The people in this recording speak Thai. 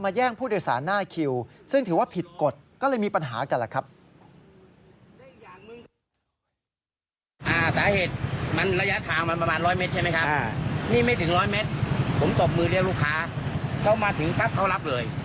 อ่านี่ไม่ถึงร้อยเมตรผมตบมือเรียกลูกค้าเข้ามาถึงตั๊บเขารับเลย